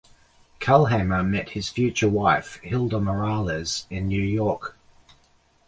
Calhamer met his future wife, Hilda Morales, in New York.